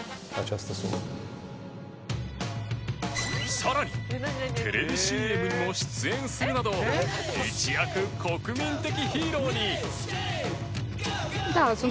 さらにテレビ ＣＭ にも出演するなど一躍国民的ヒーローに